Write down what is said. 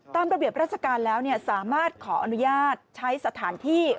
ตามระเบียบราชการแล้วสามารถขออนุญาตใช้สถานที่